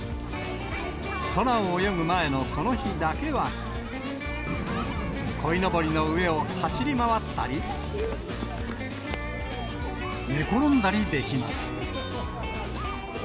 空を泳ぐ前のこの日だけは、こいのぼりの上を走り回ったり、寝転んだりできます。